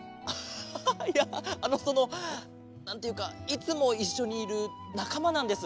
ハハハいやあのそのなんていうかいつもいっしょにいるなかまなんです。